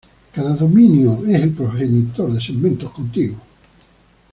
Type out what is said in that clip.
Cada dominio es el progenitor de segmentos continuos.